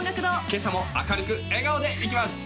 今朝も明るく笑顔でいきます！